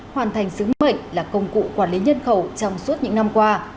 hoàn thành sứ mệnh là công cụ quản lý nhân khẩu trong suốt những năm qua